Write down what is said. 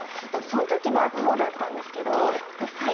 その時は徒歩だったんですけど徒歩で。